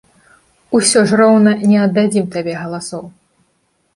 — Усё ж роўна не аддадзім табе галасоў.